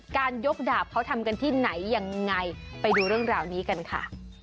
การยกดาบเขาทำกันที่ไหนยังไงไปดูเรื่องราวนี้กันค่ะ